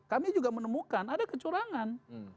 kami juga menemukan ada kecurangan